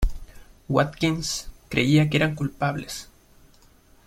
Watkins creía que eran culpables.